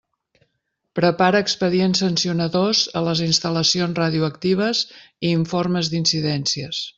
Prepara expedients sancionadors a les instal·lacions radioactives i informes d'incidències.